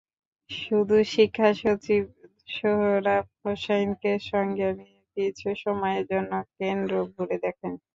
শুধু শিক্ষাসচিব সোহরাব হোসাইনকে সঙ্গে নিয়ে কিছু সময়ের জন্য কেন্দ্র ঘুরে দেখেন।